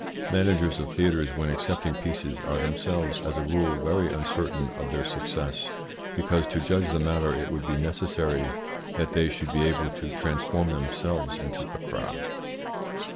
Managers of theatres when accepting pieces are themselves, as a rule, very uncertain of their success, because to judge the matter it would be necessary that they should be able to transform themselves into a crowd.